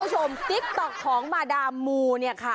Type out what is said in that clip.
ติ๊กต๊อกของมาดามูเนี่ยค่ะ